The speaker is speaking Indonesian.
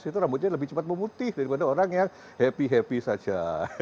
itu rambutnya lebih cepat memutih daripada orang yang happy happy saja